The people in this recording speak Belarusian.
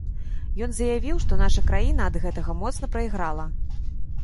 Ён заявіў, што наша краіна ад гэтага моцна прайграла.